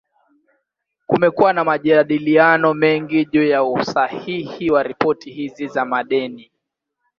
Kumekuwa na majadiliano mengi juu ya usahihi wa ripoti hizi za madeni.